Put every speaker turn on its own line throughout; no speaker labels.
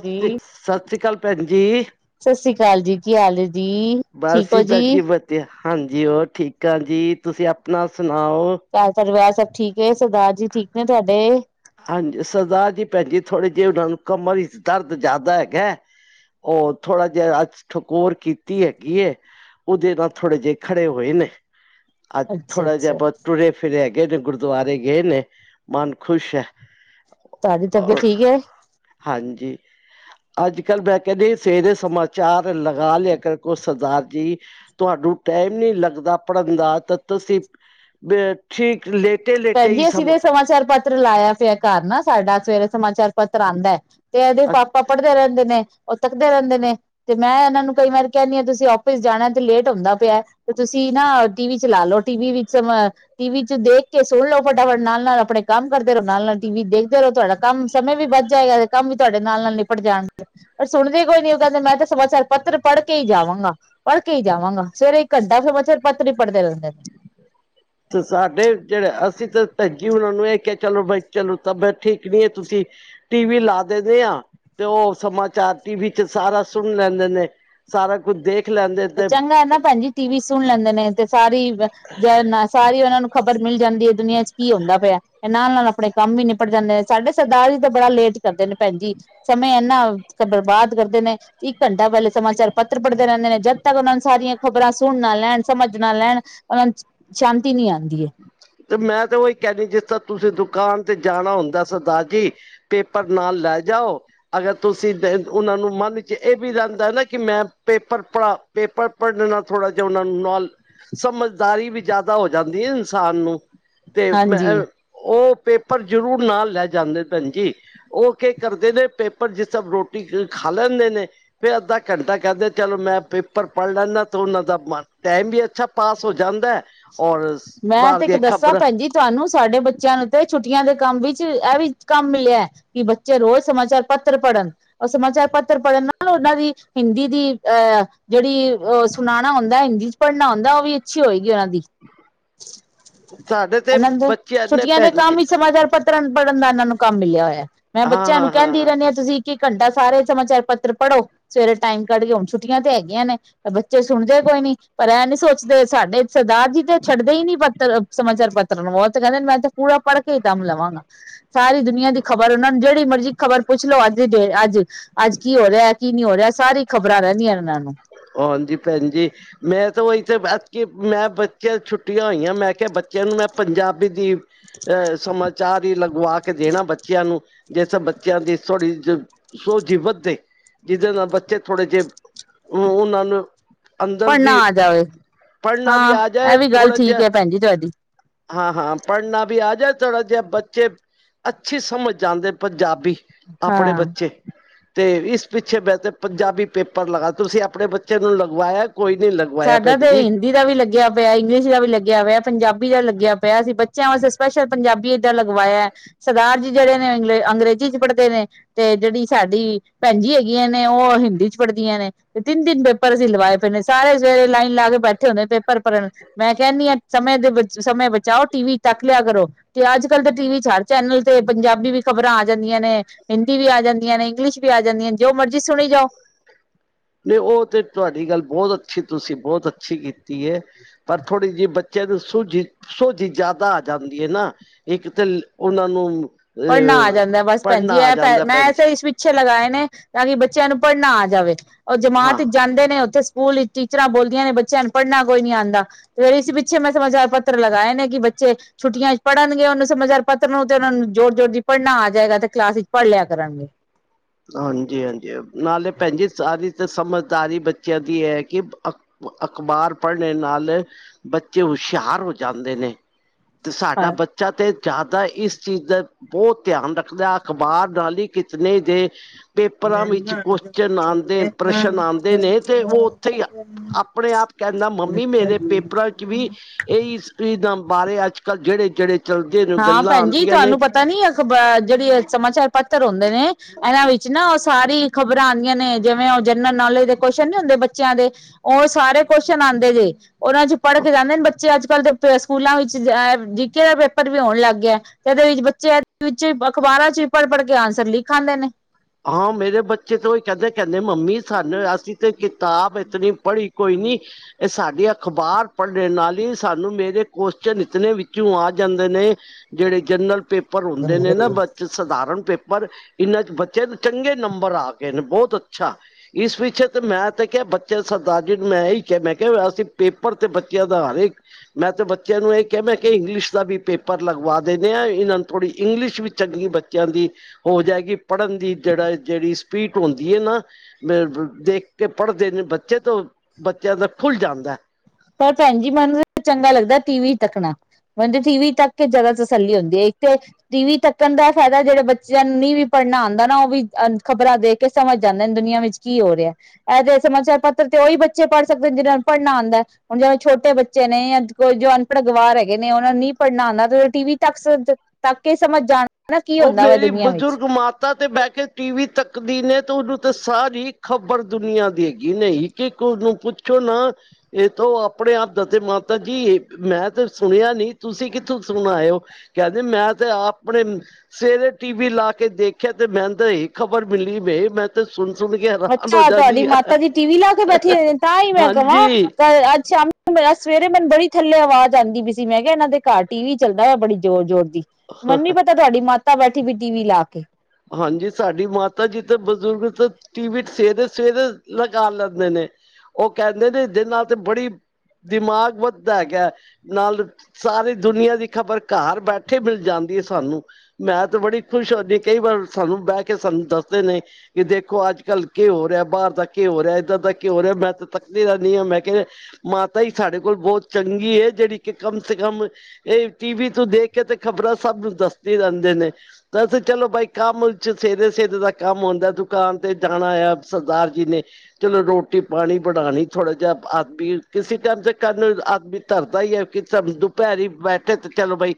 ਜੀ
ਸਤਿ ਸ਼੍ਰੀ ਅਕਾਲ ਭੈਣ ਜੀ।
ਸਤਿ ਸ੍ਰੀ ਅਕਾਲ ਜੀ। ਕੀ ਹਾਲ ਹੈ ਜੀ? ਠੀਕ
ਬਸ ਹੀ
ਹੋ ਜੀ
ਭੈਣਜੀ ਵਧੀਆ ਹਾਂਜੀ। ਹੋਰ ਠੀਕ ਠਾਕ ਜੀ। ਤੁਸੀਂ ਆਪਣਾ ਸੁਣਾਓ?
ਘਰ ਪਰਿਵਾਰ ਸਭ ਠੀਕ ਏ। ਸਰਦਾਰ ਜੀ ਠੀਕ ਨੇ ਤੁਹਾਡੇ?
ਹਾਂਜੀ ਸਰਦਾਰ ਜੀ। ਭੈਣਜੀ ਥੋੜੇ ਜਿਹੇ ਉਹਨਾਂ ਨੂੰ ਕਮਰ ਵਿੱਚ ਦਰਦ ਜ਼ਿਆਦਾ ਹੈਗਾ। ਉਹ ਥੋੜਾ ਜਿਹਾ ਅੱਜ ਠਕੋਰ ਕੀਤੀ ਹੈਗੀ ਐਂ। ਉਹਦੇ ਨਾਲ ਥੋੜੇ ਜਿਹੇ ਖੜੇ ਹੋਏ ਨੇ। ਅੱਜ
ਅੱਛਾ
ਥੋੜ੍ਹਾ ਜਿਹਾ
ਅੱਛਾ
ਬਹੁਤ ਤੁਰੇ‌। ਫਿਰੇ ਹੈਗੇ ਨੇ। ਗੁਰਦੁਆਰੇ ਗਏ ਨੇ। ਮਨ ਖੁਸ਼ ਹੈ।
ਤੁਹਾਡੀ ਤਬੀਅਤ
ਔਰ
ਠੀਕ ਏ।
ਹਾਂਜੀ। ਅੱਜ ਕੱਲ੍ਹ ਮੈਂ ਕਹਿ ਸਵੇਰੇ ਸਮਾਚਾਰ ਲਗਾ ਲਿਆ ਕਰੋ ਸਰਦਾਰ ਜੀ‌ ਤੁਹਾਨੂੰ ਟਾਈਮ ਨਹੀਂ ਲੱਗਦਾ ਪੜ੍ਹਨ ਦਾ, ਤਾਂ ਤੁਸੀਂ ਬੈਠੇ ਠੀਕ। ਲੇਟੇ- ਲੇਟੇ
ਭੈਣ
ਹੀ
ਜੀ ਅਸੀਂ
ਸਮਾਂ
ਤੇ ਸਮਾਚਾਰ ਪੱਤ ਤਰ ਲਾਇਆ ਪਿਆ ਘਰ ਨਾ, ਸਾਡਾ ਸਵੇਰੇ ਸਮਾਚਾਰ ਪੱਤਰ ਆਂਦਾ ਤੇ, ਇਹਦੇ ਪਾਪਾ ਪੜ੍ਹਦੇ ਰਹਿੰਦੇ ਨੇ। ਉਹ ਤੱਕਦੇ ਰਹਿੰਦੇ ਨੇ, ਤੇ ਮੈਂ ਇਹਨਾਂ ਨੂੰ ਕਈ ਵਾਰ ਕਹਿਦੀ ਤੁਸੀਂ ਔਫਿਸ ਜਾਣਾ ਤੇ, ਲੇਟ ਹੁੰਦਾ ਪਿਆ। ਤੇ ਤੁਸੀਂ ਨਾ ਟੀਵੀ ਚਲਾ ਲਓ। ਟੀਵੀ ਵਿੱਚ ਨਾ ਟੀਵੀ ਚ ਦੇਖ ਕੇ ਸੁਣ ਲੋ, ਫਟਾਫਟ ਨਾਲ -ਨਾਲ ਆਪਣੇ ਕੰਮ ਕਰਦੇ ਰਹੋ, ਨਾਲ -ਨਾਲ ਟੀਵੀ ਦੇਖਦੇ ਰਹੋ। ਤੁਹਾਡਾ ਕੰਮ ਸਮੇਂ ਵੀ ਬੱਚ ਜਾਏਗਾ। ਕੰਮ ਤੁਹਾਡੇ ਨਾਲ- ਨਾਲ ਨਿਪਟ ਜਾਣਗੇ, ਪਰ ਸੁਣਦੇ ਕੋਈ ਨੀ। ਉਹ ਕਹਿੰਦੇ ਮੈਂ ਤਾਂ ਸਮਾਚਾਰ ਪੱਤਰ ਪੜ੍ਹ ਕੇ ਹੀ ਜਾਵਾਂਗਾ। ਪੜ੍ਹ ਕੇ ਹੀ ਜਾਵਾਂਗਾ। ਸਵੇਰੇ ਇੱਕ ਘੰਟਾ ਸਮਾਚਾਰ ਪੱਤਰ ਹੀ ਪੜ੍ਹਦੇ ਰਹਿੰਦੇ ਨੇ।
ਤੇ ਸਾਡੇ ਜਿਹੜੇ ਅਸੀਂ ਤਾਂ ਭੈਣਜੀ ਉਹਨਾਂ ਨੂੰ ਇਹ ਕਿਹਾ ਚਲੋ - ਚਲੋ ਤਬੀਅਤ ਠੀਕ ਨੀ ਹੈ ਤੁਸੀਂ ਟੀ ਵੀ ਲਾ ਦਿੰਦੇ ਆ। ਤੇ ਉਹ ਸਮਾਚਾਰ ਟੀ ਵੀ ਚ ਸਾਰਾ ਸੁਣ ਲੈਂਦੇ ਨੇ। ਸਾਰਾ ਕੁੱਛ ਦੇਖ ਲੈਂਦੇ ਤੇ
ਚੰਗਾ ਨਾ ਭੈਣਜੀ ਟੀ ਵੀ ਸੁਣ ਲੈਂਦੇ ਨੇ ਤੇ ਸਾਰੀ ਜ ਨਾ ਸਾਰੀ ਉਹਨਾਂ ਨੂੰ ਖ਼ਬਰ ਮਿਲ ਜਾਂਦੀ ਏ, ਦੁਨੀਆਂ 'ਚ ਕੀ ਹੁੰਦਾ ਪਿਆ। ਤੇ ਨਾਲ-ਨਾਲ ਆਪਣੇ ਕੰਮ ਵੀ ਨਿਪਟ ਜਾਂਦੇ ਨੇ। ਸਾਡੇ ਸਰਦਾਰ ਜੀ ਤਾਂ ਬੜਾ ਲੇਟ ਕਰਦੇ ਨੇ, ਭੈਣ ਜੀ। ਸਮੇਂ ਐਂਨਾ ਬਰਬਾਦ ਕਰਦੇ ਨੇ, ਇੱਕ ਘੰਟਾ ਪਹਿਲੇ ਸਮਾਚਾਰ ਪੱਤਰ ਪੜ੍ਹਦੇ ਰਹਿੰਦੇ ਨੇ। ਜਦ ਤੱਕ ਉਹਨਾਂ ਨੂੰ ਸਾਰੀਆਂ ਖ਼ਬਰਾਂ ਸੁਣ ਨਾ, ਲੈਣ ਸਮਝ ਨਾ ਲੈਣ, ਉਹਨਾਂ ਨੂੰ ਸ਼ਾਂਤੀ ਨੀ ਆਉਂਦੀ ਏ।
ਤੇ ਮੈਂ ਤੇ ਉਹੀ ਕਹਿੰਨੀ, ਜਿਸ ਤਰ੍ਹਾਂ ਤੁਸੀਂ ਦੁਕਾਨ ਤੇ ਜਾਣਾ ਹੁੰਦਾ, ਸਰਦਾਰ ਜੀ ਪੇਪਰ ਨਾਲ ਲੈ ਜਾਓ ਅਗਰ ਤੁਸੀਂ ਉਹਨਾਂ ਨੂੰ ਮਨ 'ਚ ਇਹ ਵੀ ਰਹਿੰਦਾ ਨਾ, ਕਿ ਮੈਂ ਪੇਪਰ ਪੜ੍ਹਾ ਪੇਪਰ ਪੜ੍ਹਨ ਨਾਲ ਥੋੜ੍ਹਾ ਜਿਹਾ ਉਹਨਾਂ ਨੂੰ ਨੌਲ, ਸਮਝਦਾਰੀ ਵੀ ਜ਼ਿਆਦਾ ਹੋ ਜਾਂਦੀ। ਸਾਨੂੰ ਤੇ ਮੈਂ
ਹਾਂਜੀ
ਉਹ ਪੇਪਰ ਜ਼ਰੂਰ ਨਾਲ ਲੈ ਜਾਂਦੇ, ਭੈਣ ਜੀ। ਉਹ ਕੇ ਕਰਦੇ ਨੇ, ਪੇਪਰ ਜਿਸ ਸਭ ਰੋਟੀ ਖਾ ਲੈਂਦੇ ਨੇ ਫਿਰ ਅੱਧਾ ਘੰਟਾ ਕਹਿੰਦੇ ਚਲੋ, ਮੈਂ ਪੇਪਰ ਪੜ੍ਹ ਲੈਨਾਂ ਤੇ ਉਹਨਾਂ ਦਾ ਮ ਟਾਈਮ ਵੀ ਅੱਛਾ ਪਾਸ ਹੋ ਜਾਂਦਾ ਔਰ
ਮੈਂ
ਬਾਹਰ
ਤੇ ਇੱਕ
ਦੀਆਂ
ਦੱਸਾਂ
ਖ਼ਬਰਾਂ
ਭੈਣ ਜੀ ਤੁਹਾਨੂੰ, ਸਾਡੇ ਬੱਚਿਆਂ ਨੂੰ ਤੇ ਛੁੱਟੀਆਂ ਦੇ ਕੰਮ ਵਿੱਚ, ਇਹ ਵੀ ਕੰਮ ਮਿਲ਼ਿਆ। ਕੀ ਬੱਚੇ ਰੋਜ਼ ਸਮਾਚਾਰ ਪੱਤਰ ਪੜ੍ਹਨ ਉਹ ਸਮਾਚਾਰ ਪੱਤਰ ਪੜ੍ਹਨ ਨਾਲ ਉਹਨਾਂ ਦੀ, ਹਿੰਦੀ ਦੀ, ਅਹ ਜਿਹੜੀ ਉਹ ਸੁਣਾਂਣਾ ਹੁੰਦਾ, ਹਿੰਦੀ 'ਚ ਪੜਨਾ ਹੁੰਦਾ। ਉਹ ਵੀ ਅੱਛੀ ਹੋਏਗੀ, ਇਹਨਾਂ ਦੀ।
ਸਾਡੇ ਤੇ
ਐਨਾ ਦੇ
ਬੱਚੇ ਇਨੇ
ਛੁੱਟੀਆਂ ਦੇ
ਭੈਣ ਜੀ
ਕੰਮ 'ਚ ਸਮਾਚਾਰ ਪੱਤਰਨ, ਪੜ੍ਹਨ ਦਾ ਇਹਨਾਂ ਨੂੰ ਕੰਮ ਮਿਲਿਆ ਹੋਇਆ। ਮੈਂ
ਹਾਂ
ਬੱਚਿਆਂ ਨੂੰ
ਹਾਂ ਹਾਂ
ਕਹਿੰਦੀ
ਹਾਂ
ਰਹਿੰਨੀ ਆ ਤੁਸੀਂ ਕਿ ਘੰਟਾ ਸਾਰੇ ਸਮਾਚਾਰ ਪੱਤਰ ਪੜ੍ਹੋ। ਸਵੇਰੇ ਟਾਈਮ ਕੱਢ ਕੇ, ਹੁਣ ਛੁੱਟੀਆਂ ਤੇ ਹੈਗੀਆਂ ਨੇ ਤੇ ਬੱਚੇ ਸੁਣਦੇ ਕੋਈ ਨੀ, ਪਰ ਇਹ ਨੀ ਸੋਚਦੇ ਸਾਡੇ ਸਰਦਾਰ ਜੀ ਤਾਂ ਛੱਡਦੇ ਈ ਨੀ ਪੱਤਰ, ਸਮਾਚਾਰ ਪੱਤਰਾਂ ਨੂੰ। ਉਹ ਤੇ ਕਹਿੰਦੇ ਮੈਂ ਤਾਂ ਪੂਰਾ ਪੜ੍ਹਕੇ ਈ ਦਮ ਲਵਾਂਗਾ। ਸਾਰੀ ਦੁਨੀਆਂ ਦੀ ਖ਼ਬਰ ਉਹਨਾਂ ਨੂੰ, ਜਿਹੜੀ ਮਰਜ਼ੀ ਖ਼ਬਰ ਪੁੱਛ ਲੋ। ਅੱਜ ਜੇ ਅੱਜ ਅੱਜ ਕੀ ਹੋ ਰਿਹਾ, ਕੀ ਨੀ ਹੋ ਰਿਹਾ, ਸਾਰੀ ਖ਼ਬਰਾਂ ਰਹਿੰਦੀਆਂ ਇਹਨਾਂ ਨੂੰ।
ਹਾਂਜੀ, ਭੈਣ ਜੀ। ਮੈਂ ਤੋ ਉਹੀ ਇਥੇ ਬੇਹ ਕਿ ਮੈਂ ਬੱਚਿਆਂ ਛੁੱਟੀਆਂ ਹੋਈਆਂ, ਮੈਂ ਕਿਹਾ ਬੱਚਿਆਂ ਨੂੰ, ਮੈਂ ਪੰਜਾਬੀ ਦੀ ਅਹ ਸਮਾਚਾਰ ਈ ਲਗਵਾ ਕੇ ਦੇਣਾ ਬੱਚਿਆਂ ਨੂੰ। ਜਿਸ ਬੱਚਿਆਂ ਦੀ ਥੋੜ੍ਹੀ ਜ ਸੋਝੀ ਵੱਧੇ, ਜਿਹਦੇ ਨਾਲ ਬੱਚੇ ਥੋੜੇ ਜਿਹੇ ਉਹ ਉਹਨਾਂ ਨੂੰ ਅੰਦਰ
ਪੜ੍ਹਨਾ
ਦੀ,
ਆ ਜਾਵੇ
ਪੜ੍ਹਨਾ ਵੀ
ਹਾਂ
ਆ ਜਾਏ,
ਇਹ ਵੀ ਗੱਲ
ਥੋੜਾ
ਠੀਕ
ਜਿਹਾ
ਹੈ ਭੈਣ ਜੀ ਤੁਹਾਡੀ
ਹਾਂ-ਹਾਂ, ਪੜ੍ਹਨਾ ਵੀ ਆ ਜਾਏ, ਥੋੜ੍ਹਾ ਜਿਆ ਬੱਚੇ ਅੱਛੀ ਸਮਝ ਜਾਂਦੇ ਪੰਜਾਬੀ ਆਪਣੇ
ਹਾਂ
ਬੱਚੇ ਤੇ ਇਸ ਪਿੱਛੇ ਬੈ ਤੇ ਪੰਜਾਬੀ ਪੇਪਰ ਲਗਾ ਤੁਸੀ ਆਪਣੇ ਬੱਚੇ ਨੂੰ ਲਗਵਾਇਆ, ਕੋਈ ਨੀ ਲਗ-
ਸਾਡਾ ਤੇ ਹਿ ਦੀ ਦਾ ਵੀ ਲਗਿਆ ਪਿਐ, ਇੰਗਲਿਸ਼ ਦਾ ਵੀ ਲਗਿਆ ਪਿਐ, ਪੰਜਾਬੀ ਦਾ ਲਗਿਆ ਪਿਐ। ਅਸੀਂ ਬੱਚਿਆਂ ਵਾਸੇ ਸਪੈਸ਼ਲ ਪੰਜਾਬੀਏ ਦਾ ਲਗਵਾਇਐ। ਸਰਦਾਰ ਜੀ ਜੇੜੇ ਨੇ ਇੰਗਲੇ ਅੰਗਰੇਜ਼ੀ 'ਚ ਪੜ੍ਹਦੇ ਨੇ। ਤੇ ਜੇੜੀ ਸਾਡੀ ਭੈਣਜੀ ਹੈਗੀਆਂ ਨੇ, ਉਹ ਹਿੰਦੀ 'ਚ ਪੜ੍ਹਦੀਆਂ ਨੇ। ਤੇ ਤਿੰਨ-ਤਿੰਨ ਪੇਪਰ ਅਸੀ ਲਵਾਏ ਪਏ ਨੇ, ਸਾਰੇ ਸਵੇਰੇ ਲਾਈਨ ਲਾ ਕੇ ਬੈਠੇ ਹੁੰਦੇ ਪੇਪਰ ਪਰਨ। ਮੈਂ ਕੈਂਨੀ ਆ ਸਮੇਂ ਦੇ ਬੱਚ, ਸਮੇਂ ਬਚਾਓ ਟੀ ਵੀ ਤੱਕ ਲਿਆ ਕਰੋ। ਤੇ ਅੱਜ-ਕੱਲ੍ਹ ਦੇ ਟੀ ਵੀ 'ਚ ਹਰ ਚੈਨਲ ਤੇ ਪੰਜਾਬੀ ਵੀ ਖ਼ਬਰਾਂ ਆ ਜਾਂਦੀਆ ਨੇ। ਹਿੰਦੀ ਵੀ ਆ ਜੰਦਿਆ ਨੇ, ਇੰਗਲਿਸ਼ ਵੀ ਆ ਜੰਦਿਆ ਨੇ। ਜੋ ਮਰਜ਼ੀ ਸੁਣੀ ਜਾਓ।
ਨਈ ਉ ਤੇ ਤੁਆਡੀ ਗੱਲ ਬੋਤ ਅੱਛੀ, ਤੁਸੀ ਬੋਤ ਅੱਛੀ ਕੀਤੀ ਏ। ਪਰ ਥੋੜੀ ਜੀ ਬੱਚ ਚਿਆ ਨੂੰ ਸੂਝੀ ਸੋਝੀ ਜ਼ਾਂਦਾ ਆ ਜਾਂਦੀ ਏ ਨਾ, ਏਕ ਤੇ ਉਨ੍ਹਾਂ ਨੂੰ
ਪੜ੍ਹਨਾ ਆ
ਅ
ਜਾਂਦਾ ਬਸ ਪੈਣਜੀ,
ਪੜ੍ਹਨਾ ਆ
ਏ ਪੈ
ਜਾਂਦਾ
ਮੈਂ
ਭੈਣ ਜੀ
ਐਸੇ ਇਸ ਵਿਚ ਛੇ ਲਗਾਏ ਨੇ ਤਾ ਕਿ ਬੱਚਿਆਂ ਨੂੰ ਪੜ੍ਹਨਾ ਆ ਜਾਵੇ। ਉਹ ਜਮਾਤ
ਹਾਂ
ਇੱਚ ਜਾਂਦੇ ਨੇ ਉੱਥੇ ਸਕੂਲ ਇ ਟੀਚਰਾਂ ਬੋਲਦੀਆਂ ਨੇ ਬੱਚਿਆਂ ਨੂੰ ਪੜ੍ਹਨਾ ਕੋਈ ਨੀ ਆਂਦਾ ਤੇ ਏਸੀ ਪਿੱਛੇ ਮੈਂ ਸਮਾਚਾਰ ਪੱਤਰ ਲਗਾਏ ਨੇ ਕਿ ਬੱਚੇ ਛੁੱਟੀਆਂ ਚ ਪੜ੍ਹਨਗੇ ਉਨੂੰ ਸਮਾਚਾਰ ਪੱਤਰ ਨੂੰ ਤੇ ਉਨਾਂ ਨੂੰ ਜੋੜ ਜੋੜਦੀ ਪੜ੍ਹਨਾ ਆ ਜਾਏਗਾ ਤੇ। ਕਲਾਸ ਇੱਚ ਪੜ੍ਹ ਲਿਆ ਕਰਨਗੇ।
ਹਾਂਜੀ-ਹਾਂਜੀ ਨਾਲੇ ਪੈਂਜੀ ਸਾਰੀ ਤੇ ਸਮਝਦਾਰੀ ਬੱਚਿਆਂ ਦੀ ਐ ਕਿ ਅਕ ਅਖਬਾਰ ਪੜ੍ਹਨੇ ਨਾਲ ਬੱਚੇ ਹੁਸ਼ਿਆਰ ਹੋ ਜਾਂਦੇ ਨੇ। ਤੇ ਸਾਡਾ ਬੱਚ ਚਾ ਤੇ ਜਾਦਾ ਇਸ ਚੀਜ਼ ਦ ਬੋਤ ਧਿਆਨ ਰੱਖਦਾ ਅਖਬਾਰ ਨਾਲ ਈ ਕਿਤਨੀ ਦੇ [inaudible] ਪੇਪਰਾਂ ਵਿਚ
ਹਾਂ
ਕੌਸ਼ਚਣ ਆਂਦੇ ਪ੍ਰਸ਼ਨ ਆਂਦੇ ਨੇ ਤੇ ਉ ਉੱਥੇ ਈ ਆਪਣੇ ਆਪ ਕੇਂਦਾ ਮੰਮੀ ਮੇਰੇ ਪੇਪਰਾਂ ਇੱਚ ਵੀ ਏਹੀ ਸਪੀਡਮ ਬਾਰੇ ਅੱਜ-ਕੱਲ੍ਹ ਜੇੜੇ-ਜੇੜੇ ਚਲਦੇ ਨ
ਹਾਂ
ਗੱਲਾਂ
ਭੈਣ ਜੀ
ਆਂਦੀਆਂ ਨੇ
ਤੁਹਾਨੂੰ ਪਤਾ ਨੀ ਅਖਬਾ ਜੇੜੀ ਸਮਾਚਾਰ ਪੱਤਰ ਹੁੰਦੇ ਨੇ ਏਨਾ ਵਿਚ ਨਾ ਉ ਸਾਰੀ ਖ਼ਬਰਾਂ ਆਂਦੀਆਂ ਨੇ ਜਿਵੇਂ ਉ ਜਨਰਲ ਨੌਲੇਜ ਦੇ ਕੋਸ਼ਚਣ ਨੀ ਹੁੰਦੇ ਬੱਚਿਆਂ ਦੇ। ਓਵੇ ਸਾਰੇ ਕੌਸ਼ਨ ਆਂਦੇ ਜੇ। ਉਨਾਂ ਚ ਪੜ੍ਹ ਕੇ ਜਾਂਦੇ ਨੇ ਬੱਚੇ ਅੱਜ-ਕੱਲ੍ਹ ਦੇ ਪੇ ਸਕੂਲਾਂ ਵਿੱਚ ਐ ਜੀ ਕੇ ਦਾ ਪੇਪ ਪਰ ਵੀ ਹੋਣ ਲਗ ਗਿਆ ਏਦੇ ਵਿਚ ਬੱਚੇ ਏਦੇ ਵਿਚ ਅਖ਼ਬਾਰਾਂ ਚ ਹੀ ਪੜ੍ਹ-ਪੜ੍ਹ ਕੇ ਆਂਸਰ ਲਿਖ ਆਂਦੇ ਨੇ।
ਹਾਂ ਮੇਰੇ ਬੱਚੇ ਤਾ ਓਇ ਕੈਦੇ-ਕੈਂਦੇ ਮੰਮੀ ਸਾਨੂੰ ਅਸੀ ਤੇ ਕਿਤਾਬ ਇਤਨੀ ਪੜ੍ਹੀ ਕੋਈ ਨੀ ਏ ਸਾਡੀਆਂ ਅਖ਼ਬਾਰ ਪੜ੍ਹਨੇ ਨਾਲ ਈ ਸਾਨੂੰ ਮੇਰੇ ਕੌਸ਼ਚਣ ਇਤਨੇ ਵਿੱਚੋ ਆ ਜਾਂਦੇ ਨੇ। ਜੇੜੇ ਜਨਲ ਪੇਪਰ ਹੁੰਦੇ ਨੇ ਨਾ ਬੱਚ ਸਧਾਰਨ ਪੇਪਰ ਏਨਾ ਚ ਬੱਚ ਚੱਲ ਚੰਗੇ ਨੰਬਰ ਆ ਗੇ ਨੇ ਬੋਤ ਅੱਛਾ। ਇਸ ਵਿਸ਼ੇ ਤੇ ਮੈਂ ਤੇ ਕਿਆ ਬੱਚੇ ਸਰਦਾਰ ਜੀ ਨੂੰ ਮੈਂ ਇਹੀ ਕਿਐ ਮੈਂ ਕਿਆ ਅਸੀ ਪੇਪਰ ਤੇ ਬੱਚਿਆਂ ਦਾ ਹਰੇਕ ਮੈਂ ਤੇ ਬੱਚਿਆਂ ਨੂੰ ਏਇ ਕਿਆ ਮੈਂ ਕਿਆ ਇੰਗਲਿਸ਼ ਦਾ ਵੀ ਪੇਪਰ ਲਗਵਾ ਦੇਣੇ ਆ। ਇਨ੍ਹਾਂਨੂੰ ਨੂੰ ਥੋੜ੍ਹੀ ਇੰਗਲਿਸ਼ ਵੀ ਚੰਗੀ ਬਚ ਚਿਆਂ ਦੀ ਹੋ ਜਾਏਗੀ ਪੜ੍ਹਨ ਦੀ ਜੇੜਾ ਜੇੜੀ ਸਪੀਟ ਹੁੰਦੀ ਏ ਨਾ ਬਿਲਬੁਲ ਦੇਖ ਕੇ ਪੜ੍ਹਦੇ ਨੇ ਬੱਚੇ ਤੋਂ ਬੱਚਿਆਂ ਦਾ ਖੁੱਲ ਜਾਂਦੈ।
ਪਰ ਪੈਂਜੀ ਮੈਨੂੰ ਤੇ ਚੰਗਾ ਲੱਗਦਾ ਟੀ ਵੀ ਤੱਕਣਾ। ਮੈਨ ਤੇ ਟੀ-ਵੀ ਤੱਕ ਕੇ ਜਾਦਾ ਤਸੱਲੀ ਹੁੰਦੀ ਏ। ਇਕ ਤੇ ਟੀ-ਵੀ ਤੱਕਣ ਦਾ ਐ ਫੈਦਾ ਜੇੜੇ ਬੱਚਿਆਂ ਨੂੰ ਨੀ ਵੀ ਪੜ੍ਹਨਾ ਆਂਦਾ ਨਾ ਉ ਵੀ ਖ਼ਬਰਾਂ ਦੇਖ ਕੇ ਸਮਝ ਜਾਂਦੇ ਨੇ ਦੁਨੀਆਂ ਵਿੱਚ ਕੀ ਹੋ ਰਿਆ। ਐ ਜੇ ਸਮਾਚਾਰ ਪੱਤਰ ਤੇ ਉਈ ਬੱਚੇ ਪੜ੍ਹ ਸਕਦੇ ਨ ਜਿਨ੍ਹਾਂਨੂੰ ਪੜ੍ਹਨਾ ਆਂਦੈ। ਹੁਣ ਜੇਵੇਂ ਛੋਟੇ ਬੱਚੇ ਨੇ ਯਾ ਕੋਈ ਜੋ ਅਨਪੜ੍ਹ ਗਵਾਰ ਹੈਗੇ ਨੇ ਉਨਾਂ ਨੂੰ ਨੀ ਪੜ੍ਹਨਾ ਆਂਦਾ ਤੇ ਓ ਟੀ ਵੀ ਤੱਕ ਸ ਤੱਕ ਕੇ ਈ ਸਮਝ ਜਾਣ ਗੇ ਨਾ ਕੀ ਹੁੰਦਾ ਪਿਐ ਦੁਨੀਆਂ ਵਿੱਚ।
ਤਾ ਤੇ ਬੈ ਕੇ ਟੀ-ਵੀ ਤੱਕਦੀ ਨੇ ਤੇ ਉਨੂੰ ਤੇ ਸਾਰੀ ਖਬਰ ਦੁਨੀਆਂ ਦੀ ਹੈਗੀ ਨਈ ਕਿ ਕੁ ਉਨੂੰ ਪੁੱਛੋ ਨਾ ਏ ਤਾ ਓ ਆਪਣੇ ਆਪ ਦੱਸੇ ਮਾਤਾ ਜੀ ਮੈਂ ਤੇ ਸੁਣਿਆ ਨੀ ਤੁਸੀ ਕਿੱਥੋਂ ਸੁਣ ਆਏ ਓ। ਕੈਦੇ ਮੈਂ ਤੇ ਆਪਣੇ ਸਵੇਰੇ ਟੀ-ਵੀ ਲਾ ਕੇ ਦੇਖਿਆ ਤੇ ਮੈਨੂੰ ਤੇ ਇਹ ਖ਼ਬਰ ਮਿਲੀ ਵੇ ਮੈਂ ਤੇ ਸੁਣ ਸੁਣ ਕੇ ਹੈਰਾਨ
ਅੱਛਾ
ਹੋ
ਤੁਹਾਡੀ
ਜਾਂਦੀ ਆ
ਮਾਤਾ ਜੀ ਟੀ-ਵੀ ਲਾ ਕੇ ਬੈਠੇ ਹੋਏ ਨੇ ਤਾਂ ਹੀ ਮੈਂ ਕਹਵਾ
ਹਾਂਜੀ
ਅੱਜ ਸ਼ਾਮੀ ਮੇੈਂ ਸਵੇਰੇ ਮੈਨੂੰ ਬੜੀ ਥੱਲੇ ਆਵਾਜ਼ ਆਉਂਦੀ ਪਈ ਸੀ। ਮੈਂ ਕਿਹਾ ਇਹਨਾਂ ਦੇ ਘਰ ਟੀ ਵੀ ਚੱਲਦਾ ਪਇਆ ਬੜੀ ਜ਼ੋਰ-ਜ਼ੋਰ ਦੀ। ਮੈਨੂੰ ਨੀ ਪਤਾ ਤੁਹਾਡੀ ਮਾਤਾ ਬੈਠੀ ਪਈ ਟੀ-ਵੀ ਲਾ ਕੇ।
ਹਾਂਜੀ ਸਾਡੀ ਮਾਤਾ ਜੀ ਤੇ ਬਜ਼ੁਰਗ ਤੋਂ ਟੀਵੀ ਸਵੇਰੇ-ਸਵੇਰੇ ਲਗਾ ਲੈਂਦੇ ਨੇ ਉਹ ਕਹਿੰਦੇ ਨੇ ਓਹ ਕਹਿੰਦੇ ਨੇ ਜਿਹਨਾ ਤੇ ਬੜੀ ਦਿਮਾਗ ਵੱਧਦਾ ਹੈਗਾ ਨਾਲ ਸਾਰੀ ਦੁਨੀਆਂ ਦੀ ਖ਼ਬਰ ਘਰ ਬੈਠੇ ਮਿਲ ਜਾਂਦੀ ਹੈ ਸਾਨੂੰ। ਮੈਂ ਤੇ ਬੜੀ ਖੁਸ਼ ਹੂੰਦੀ ਕਈ ਵਾਰ ਸਾਨੂੰ ਬਹਿ ਕੇ ਸਾਨੂੰ ਦੱਸਦੇ ਨੇ। ਕਿ ਦੇਖੋ ਅੱਜ ਕੱਲ੍ਹ ਕੀ ਹੋ ਰਿਹਾ ਬਾਹਰ ਦਾ ਕੀ ਹੋ ਰਿਹਾ ਇੱਦਾਂ ਦਾ ਕੀ ਹੋ ਰਿਹਾ ਮੈਂ ਤਾਂ ਤੱਕਦੀ ਰਹਿੰਦੀ ਹਾਂ ਮੈਂ ਕਿਹਾ ਮਾਤਾ ਜੀ ਸਾਡੇ ਕੋਲ ਬਹੁਤ ਚੰਗੀ ਹੈ ਜਿਹੜੀ ਕਿ ਕਮ ਸੇ ਕਮ ਇਹ ਟੀ ਵੀ ਤੋਂ ਦੇਖ ਕੇ ਤੇ ਖ਼ਬਰਾਂ ਸਭ ਨੂੰ ਦੱਸਦੀ ਰਹਿੰਦੇ ਨੇ। ਤਾਂ ਅ ਚਲੋ ਬਾਈ ਕੰਮ ਚ' ਸਵੇਰੇ ਸਵੇਰੇ ਦਾ ਕੰਮ ਹੁੰਦਾ ਦੁਕਾਨ ਤੇ ਜਾਣਾ ਆ ਸਰਦਾਰ ਜੀ ਨੇ। ਚਲੋ ਰੋਟੀ- ਪਾਣੀ ਬਣਾਉਲੀ ਥੋੜਾ ਜਿਹਾ ਆਦਮੀ, ਕਿਸੇ ਟਾਈਮ ਦੇ ਕਰਨ ਆਦਮੀ ਧਰਦਾ ਹੀ ਹੈ ਕਿ ਦੁਪਹਿਰੀ ਬੈਠੇ ਤੇ ਚਲੋ ਬਈ।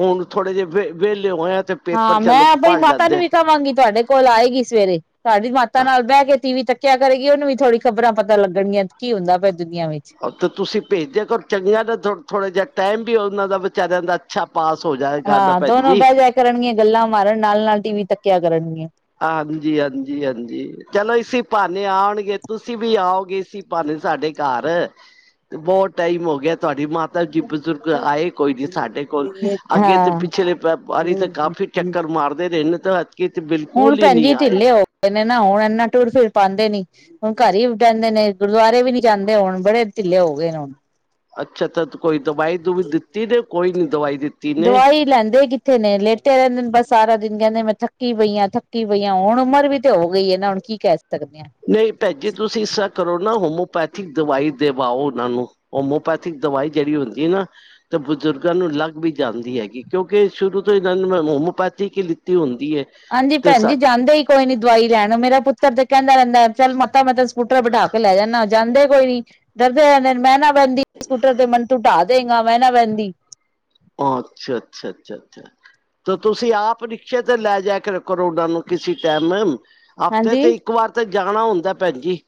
ਹੁਣ ਥੋੜੇ ਜਿਹੇ ਵ ਵਿਹਲੇ ਹੋਏ ਆ, ਤੇ ਪੇਪਰ
ਹਾਂ ਮੈਂ
ਚਲੋ
ਆਪਣੀ
ਪੜ੍ਹ
ਮਾਤਾ ਨੂੰ
ਲੈਂਦੇ
ਵੀ ਕਵਾਂਗੀ ਤੁਹਾਡੇ ਕੋਲ ਆਏਗੀ ਸਵੇਰੇ, ਤੁਹਾਡੀ ਮਾਤਾ ਨਾਲ ਬਹਿ ਕੇ ਟੀ ਵੀ ਤੱਕ ਕਿਆ ਕਰੇਗੀ ਉਹਨੂੰ ਵੀ ਥੋੜੀ ਖ਼ਬਰਾਂ ਪਤਾ ਲੱਗਣਗੀਆਂ ਕੀ ਹੁੰਦਾ ਪਿਆ ਦੁਨੀਆਂ ਵਿੱਚ।
ਤਾਂ ਤੁਸੀਂ ਭੇਜ ਦਿਆ ਕਰੋ ਚੰਗੀਆਂ ਨੇ ਥੋੜਾ ਥੋੜ੍ਹਾ ਜਿਹਾ ਟਾਈਮ ਵੀ ਉਹਨਾਂ ਦਾ ਵਿਚਾਰਿਆਂ ਦਾ ਅੱਛਾ ਪਾਸ ਹੋ ਜਾਏਗਾ ਨਾ
ਹਾਂ
ਭੈਣ
ਦੋਨੋ
ਜੀ।
ਬਹਿ ਜਾਇਆ ਕਰਨਗੀਆਂ ਗੱਲਾਂ ਮਾਰਨ ਨਾਲ- ਨਾਲ ਟੀ ਵੀ ਤੱਕਿਆ ਕਰਨਗੀਆਂ।
ਹਾਂਜੀ- ਹਾਂਜੀ- ਹਾਂਜੀ। ਚਲੋ ਇਸੀ ਭਾਨੇ ਆਉਣਗੇ ਤੁਸੀਂ ਵੀ ਆਓਗੇ ਇਸੀ ਭਾਨੇ ਸਾਡੇ ਘਰ। ਬਹੁਤ ਟਾਈਮ ਹੋ ਗਿਆ ਤੁਹਾਡੀ ਮਾਤਾ ਜੀ ਬਜ਼ੁਰਗ ਆਏ ਕੋਈ ਨੀ ਸਾਡੇ ਕੋਲ। ਅੱਗੇ ਤੇ
ਹਾਂ
ਪਿਛਲੇ ਬਾਰੀ ਤਾਂ ਕਾਫ਼ੀ ਚੱਕਰ ਮਾਰਦੇ ਰਹੇ ਨੇ ਤਾਂ ਐਦਕੀ
ਹੁਣ ਭੈਣਜੀ ਢਿੱਲੇ ਹੋ ਗਏ ਨੇ ਨਾ ਹੁਣ ਇਨਾ ਟੁਰ- ਫਿਰ ਪਾਉਂਦੇ ਨੀ। ਹੁਣ ਘਰ ਹੀ ਰਹੰਦੇ ਨੇ ਗੁਰਦੁਆਰੇ ਵੀ ਨੀ ਜਾਂਦੇ ਹੁਣ ਬੜੇ ਢਿੱਲੇ ਹੋ ਗਏ ਨੇ ਹੁਣ।
ਅੱਛਾ- ਅੱਛਾ, ਕੋਈ ਦਵਾਈ- ਦਵੂਈ ਵੀ ਦਿੱਤੀ ਤੇ ਕੋਈ ਨੀ ਦਵਾਈ ਦਿੱਤੀ? ਨੇ
ਦਵਾਈ ਲੈਂਦੇ ਕਿ ਇੱਥੇ ਨੇ ਲੇਟੇ ਰਹਿੰਦੇ ਨੇ ਬਸ ਸਾਰਾ ਦਿਨ ਕਹਿੰਦੇ ਮੈਂ ਥੱਕੀ ਪਈ ਹਾਂ, ਥੱਕੀ ਪਈਆਂ ਹਾਂ, ਹੁਣ ਉਮਰ ਵੀ ਤੇ ਹੋ ਗਈ ਹੈ ਨਾ ਹੁਣ। ਕੀ ਕਹਿ ਸਕਦੇ ਹਾਂ।
ਨਹੀਂ ਭੈਣ ਜੀ ਤੁਸੀਂ ਇਸ ਤਰ੍ਹਾਂ ਕਰੋ ਨਾ ਹੋਮੋਪੈਥਿਕ ਦਵਾਈ ਦਿਵਾਓ ਉਹਨਾਂ ਨੂੰ। ਹੋਮੋਪੈਥਿਕ ਦਵਾਈ ਜਿਹੜੀ ਹੁੰਦੀ ਨਾ ਤਾਂ ਬਜ਼ੁਰਗਾਂ ਨੂੰ ਲੱਗ ਵੀ ਜਾਂਦੀ ਹੈਗੀ। ਕਿਉਂਕਿ ਸ਼ੁਰੂ ਤੋਂ ਇਹਨਾਂ ਨੇ ਹੋਮੋਪੈਥੀ ਕੀ ਲਿੱਤੀ ਹੁੰਦੀ ਹੈ।
ਹਾਂਜੀ
ਤੇ
ਭੈਣ ਜੀ
ਸਾ
ਜਾਂਦੇ ਹੀ ਕੋਈ ਨੀ ਦਵਾਈ ਲੈਣ, ਮੇਰਾ ਪੁੱਤਰ ਤੇ ਕਹਿੰਦਾ ਰਹਿੰਦਾ। ਚੱਲ ਮਾਤਾ ਮੈਂ ਤੈਨੂੰ ਸਕੂਟਰ ਬਿਠਾ ਕੇ ਲੈ ਜਾਂਦਾ, ਜਾਂਦੇ ਕੋਈ ਨੀ, ਡਰਦੇ ਰਹੰਦੇ ਮੈਂ ਨਾ ਬਹਿੰਦੀ ਸਕੂਟਰ ਤੇ ਮੈਨੂੰ ਤੂੰ ਟਾ ਦੇਗਾ ਮੈਂ ਨਾ ਬਹਿੰਦੀ।
ਅੱਛਾ- ਅੱਛਾ- ਅੱਛਾ- ਅੱਛਾ। ਤੇ ਤੁਸੀਂ ਆਪ ਰਿਕਸ਼ੇ ਤੇ ਲੈ ਜਾਏ ਕਰੋੋ ਓਹਨਾਂ ਨੂੰ ਕਿਸੇ ਟੈਾਇਮ। ਹਫ਼ਤੇ ਤੇ
ਹਾਂਜੀ
ਇੱਕ ਵਾਰ ਤੇ ਜਾਣਾ ਹੁੰਦਾ ਭੈਣ ਜੀ।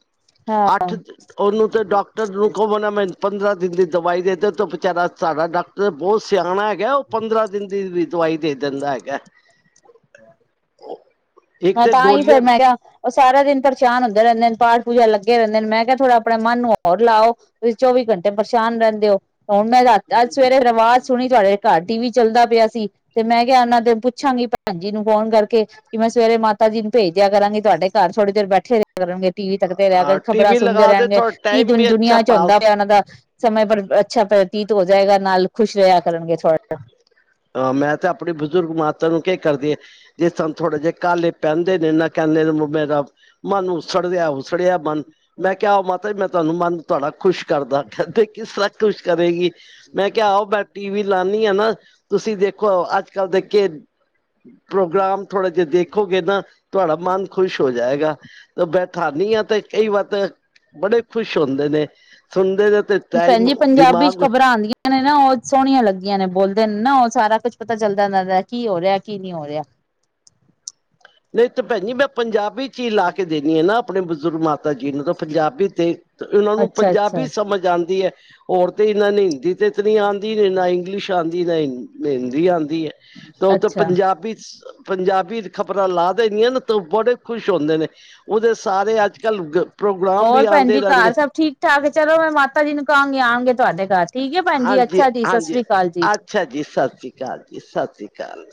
ਹਾਂ
ਅੱਠ ਉਹਨੂੰ ਤੇ ਡਾਕਟਰ ਨੂੰ ਕਵੋ ਮੈਂ ਪੰਦਰਾਂ ਦਿਨ ਦੀ ਦਵਾਈ ਦੇਦੇ ਤੇ ਬਿਚਾਰਾ ਸਾਡਾ ਡਾਕਟਰ ਬਹੁਤ ਸਿਆਣਾ ਹੈਗਾ ਉਹ ਪੰਦਰਾਂ ਦਿਨ ਦੀ ਦਵਾਈ ਦੇ ਦਿੰਦਾ ਹੈਗਾ। ਇੱਕ
ਹਾਂ,
ਤੇ
ਤਾਂ ਹੀ ਫੇਰ
ਗੋਲੀਆਂ
ਮੈਂ ਕਿਹਾ ਉਹ ਸਾਰਾ ਦਿਨ ਪਰੇਸ਼ਾਨ ਹੁੰਦੇ ਰਹਿੰਦੇ ਨੇ ਪਾਠ ਪੂਜਾ ਲੱਗੇ ਰਹਿੰਦੇ ਨੇ ਮੈਂ ਕਿਹਾ ਥੋੜ੍ਹਾ ਆਪਣੇ ਮਨ ਨੂੰ ਹੋਰ ਲਾਓ। ਤੁਸੀਂ ਚੌਵੀ ਘੰਟੇ ਪਰੇਸ਼ਾਨ ਰਹਿੰਦੇ ਹੋ। ਹੁਣ ਮੈਂ ਰਾ ਅੱਜ ਸਵੇਰੇ ਅਵਾਜ਼ ਸੁਣੀ ਤੁਹਾਡੇ ਘਰ ਟੀ ਵੀ ਚੱਲਦਾ ਪਿਆ ਸੀ। ਤੇ ਮੈਂ ਕਿਹਾ ਉਹਨਾਂ ਦੇ ਪੁੱਛਾਂਗੀ ਭੈਣ ਜੀ ਨੂੰ ਫੋਨ ਕਰਕੇ, ਕਿ ਮੈਂ ਸਵੇਰੇ ਮਾਤਾ ਜੀ ਨੂੰ ਭੇਜ ਦਿਆ ਕਰਾਂਗੀ ਤੁਹਾਡੇ ਘਰ, ਥੋੜੇ ਚਰ ਬੈਠੇ ਰਿਹਾ ਕਰਣਗੇ। ਟੀ ਵੀ ਤੱਕਦੇ ਰਹਿੰਗੇ,
ਹਾਂ ਟੀ
ਖ਼ਬਰਾਂ
ਵੀ
ਸੁਣਦੇ
ਲਗਾ ਦੇ
ਰਹਿਣਗੇ,
ਥੋੜਾ
ਕੀ
ਟਾਈਮ
ਦੁ
ਵੀ ਅੱਛਾ
ਦੁਨੀਆਂ ਚ ਹੁੰਦਾ ਪਿਆ
ਪਾਸ
ਉਹਨਾਂ ਦਾ। ਸਮੇਂ ਪਰ ਅੱਛਾ ਬਤੀਤ ਹੋ ਜਾਏਗਾ ਨਾਲ ਖੁਸ਼ ਰਿਆ ਕਰਨਗੇ ਥੋੜਾ।
ਅ ਮੈਂ ਤੇ ਆਪਣੀ ਬਜ਼ੁਰਗ ਮਾਤਾ ਨੂੰ ਕਿਆ ਕਰਦੀ ਏ। ਜੇ ਸਾਨੂੰ ਥੋੜੇ ਜਿਏ ਕਾਲੇ ਪਹਨਦੇ ਨੇ ਨਾ ਕਹਿੰਦੇ ਮ ਮੇਰਾ ਮਨ ਉਸੜਿਆ-ਉਸੜਿਆ ਮਨ। ਮੈਂ ਕਿਆ ਉਹ ਮਾਤਾ ਜੀ ਮੈਂ ਤੁਹਾਨੂੰ ਮਨ ਤੁਆਡਾ ਖੁਸ਼ ਕਰਦਾ, ਕਹਿੰਦੇ ਕਿਸ ਤਰਾਂ ਖੁਸ਼ ਕਰੇਗੀ। ਮੈਂ ਕਿਆ ਆਓ ਮੈਂ ਟੀ ਵੀ ਲਾਨੀ ਆ ਨਾ, ਤੁਸੀਂ ਦੇਖੋ ਅੱਜ ਕੱਲ ਦੇ ਕੇ ਪ੍ਰੋਗਰਾਮ ਥੋੜੇ ਜਏ ਦੇਖੋਗੇ ਨਾ, ਤੁਆਡਾ ਮਨ ਖ਼ੁਸ਼ ਹੋ ਜਾਏਗਾ। ਬੈਠਾਨੀ ਆ ਤੇ ਕਈ ਵਾਰ ਤੇ ਬੜੇ ਖੁਸ਼ ਹੁੰਦੇ ਨੇ। ਸੁਣਦੇ ਨੇ ਤੇ
ਭੈਣ
ਟਾਈਮ
ਜੀ ਪੰਜਾਬੀ ਚ'
ਦਿਮਾਗ
ਖ਼ਬਰਾ ਆਂਦੀਆਂ। ਨੇ ਨਾ ਉਹ ਸੋਹਣੀਆਂ ਲੱਗਦੀਆਂ ਨੇ ਬੋਲਦੇ ਨੇ ਨਾ ਉਹ ਸਾਰਾ ਕੁਛ ਪਤਾ ਚੱਲਦਾ ਜਾਂਦਾ ਕੀ ਹੋ ਰਿਆ, ਕੀ ਨਹੀਂ ਹੋ ਰਿਆ।
ਨਹੀਂ ਤੇ ਭੈਣ ਜੀ ਮੈਂ ਪੰਜਾਬੀ ਚ' ਈ ਲਾ ਕੇ ਦੇਨੀ ਆ ਨਾ ਆਪਣੇ ਬਜ਼ੁਰਗ ਮਾਤਾ ਜੀ ਨੂੰ ਤਾਂ ਪੰਜਾਬੀ ਤੇ। ਇਨਾਂ ਨੂੰ
ਅੱਛਾ ਅੱਛਾ
ਪੰਜਾਬੀ ਸਮਝ ਆਂਦੀ ਐ। ਔਰ ਤੇ ਇਹਨਾਂ ਨੇ ਹਿੰਦੀ ਤੇ ਇਤਨੀ ਆਂਦੀ ਨੀ ਨਾ ਇੰਗਲਿਸ਼ ਆਂਦੀ ਆ ਨਾ, ਹਿੰਦੀ ਆਂਦੀ ਐ। ਤਾਂ ਉੱਥੇ
ਅੱਛਾ
ਪੰਜਾਬੀ ਚ' ਪੰਜਾਬੀ ਖ ਰਾ ਲਾ ਦੇਨੀ ਆ ਤਾਂ ਉਹ ਬੜੇ ਖੁਸ਼ ਹੁੰਦੇ ਨੇ, ਉਹਦੇ ਸਾਰੇ ਅੱਜ ਅੱਜ-ਕੱਲ ਪ੍ਰੋਗਰਾਮ ਵੀ
ਹੋਰ ਭੈਣ
ਆਂਦੇ
ਜੀ
ਰੈਂਦੇ।
ਘਰ ਸਭ ਠੀਕ ਚਲੋ ਮੈਂ ਮਾਤਾ ਜੀ ਨੂੰ ਕਹਾਂਗੀ ਆਣਗੇ ਤੁਹਾਡੇ ਘਰ ਠੀਕ ਐ ਭੈਣ ਜੀ
ਹਾਂਜੀ
ਅੱਛਾ ਜੀ
ਹਾਂਜੀ
ਸਸ੍ਰੀ ਕਾਲ ਜੀ।
ਅੱਛਾ ਜੀ, ਸਸ਼੍ਰੀ ਕਾਲ ਜੀ, ਸਸ਼੍ਰੀ ਕਾਲ।